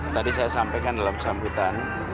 tadi saya sampaikan dalam sambutan